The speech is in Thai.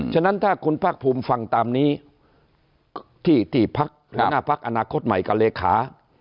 ฉะนั้นถ้าคุณภาคภูมิฟังตามนี้ที่พักหัวหน้าพักอนาคตใหม่กับเลขา